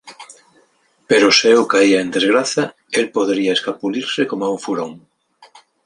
Pero se eu caía en desgraza, el podería escapulirse coma un furón.